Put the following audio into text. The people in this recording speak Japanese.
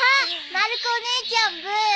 まる子お姉ちゃんブー。